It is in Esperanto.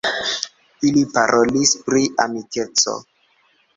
Ili parolis pri amikeco.